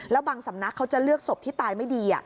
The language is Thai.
แล้วบางสำนักเขาจะเลือกศพที่ตายไม่ดี